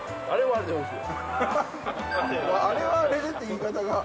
あれはあれでって言い方が。